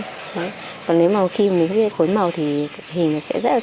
còn nếu mà mình không biết cách phối màu thì hình sẽ rất là